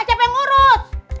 siapa yang urus